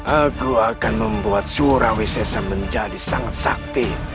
aku akan membuat surawi sesam menjadi sangat sakti